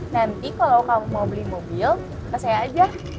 nanti kalau kamu mau beli mobil kasih aja